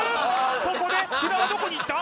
ここで札はどこにいった？